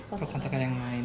untuk kontrakan yang lain